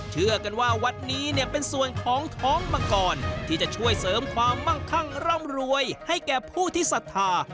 เชื่อกันว่าวัดนี้เนี่ยเป็นส่วนของท้องมังกรที่จะช่วยเสริมความมั่งคั่งร่ำรวยให้แก่ผู้ที่ศรัทธา